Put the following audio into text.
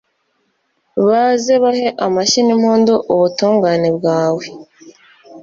maze bahe amashyi n’impundu ubutungane bwawe